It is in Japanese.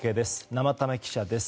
生田目記者です。